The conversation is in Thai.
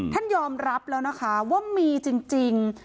ท่านยอมรับแล้วนะคะว่ามีจริง